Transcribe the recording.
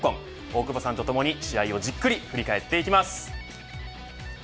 大久保さんとともに試合をじっくり振り返っていきます。